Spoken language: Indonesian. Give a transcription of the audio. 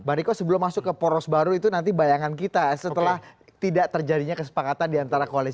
bariko sebelum masuk ke poros baru itu nanti bayangan kita setelah tidak terjadinya kesepakatan di antara koalis